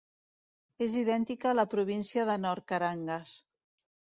És idèntica a la província de Nor Carangas.